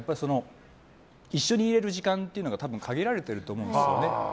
一緒にいれる時間というのが限られてると思うんですよね。